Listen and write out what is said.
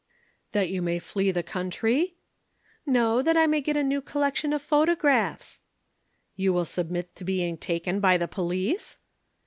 "'That you may flee the country?' "'No, that I may get a new collection of photographs.' "'You will submit to being taken by the police?'